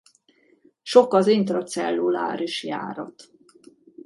Sok az intracelluláris járat.